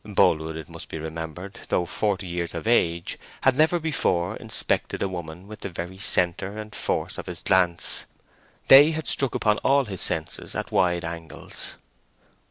Boldwood, it must be remembered, though forty years of age, had never before inspected a woman with the very centre and force of his glance; they had struck upon all his senses at wide angles.